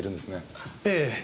ええ。